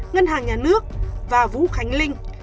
ngân hàng nhà nước và vũ khánh linh